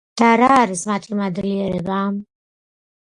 და რა არის მათი მადლიერება?